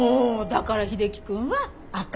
だから秀樹くんは赤。